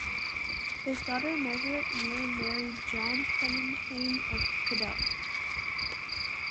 His daughter Margaret Muir married John Cuninghame of Caddel.